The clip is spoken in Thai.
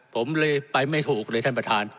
ผมเลยไปไม่ถูกเลยท่านประธาน